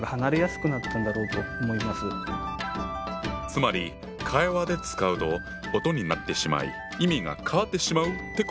つまり会話で使うと音になってしまい意味が変わってしまうってことか。